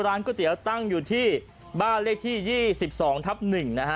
ก๋วยเตี๋ยวตั้งอยู่ที่บ้านเลขที่๒๒ทับ๑นะฮะ